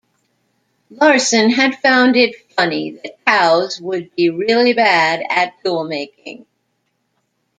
Larson had found it funny that cows would be really bad at toolmaking.